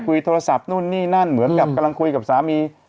โทรศัพท์นู่นนี่นั่นเหมือนกับกำลังคุยกับสามี